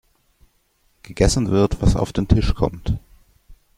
Gegessen wird, was auf den Tisch kommt.